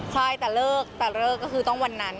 ใช่แต่เลิกแต่เลิกก็คือต้องวันนั้น